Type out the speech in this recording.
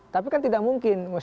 tapi kan tidak mungkin